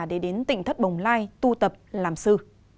để đến tỉnh thất bồng lai tu tập làm sư